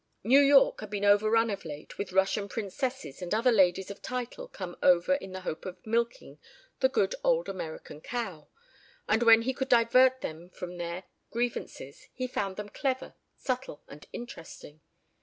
New York had been overrun of late with Russian princesses and other ladies of title come over in the hope of milking the good old American cow, and when he could divert them from their grievances he found them clever, subtle and interesting.